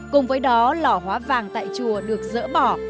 cùng với đó lò hóa vàng tại chùa được dỡ bỏ